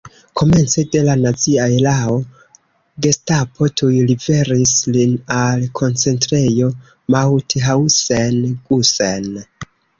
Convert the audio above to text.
Komence de la nazia erao Gestapo tuj liveris lin al Koncentrejo Mauthausen-Gusen.